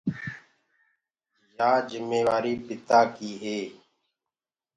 يآ جميوآريٚ پِتآ ڪيٚ هي